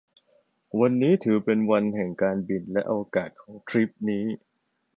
วันนี้ถือว่าเป็นวันแห่งการบินและอวกาศของทริปนี้